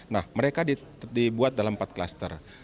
nah mereka dibuat dalam empat klaster